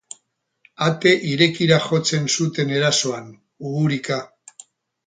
Ate irekira jotzen zuten erasoan, uhurika.